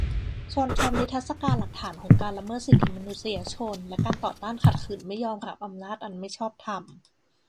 ชวนชมนิทรรศการหลักฐานของการละเมิดสิทธิมนุษยชน และการต่อต้านขัดขืนไม่ยอมรับอำนาจอันไม่ชอบธรรม